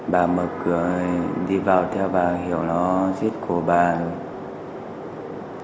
bà mở cửa đi vào theo bà hiệu nó giết cổ bà rồi